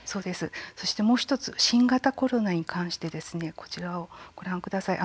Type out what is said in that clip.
そしてもう１つ新型コロナに関してこちらをご覧ください。